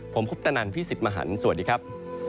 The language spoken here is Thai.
ผมคุปตะนันพี่สิทธิ์มหันฯสวัสดีครับ